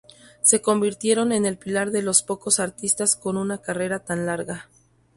Se convirtieron en el pilar de los pocos artistas con una carrera tan larga.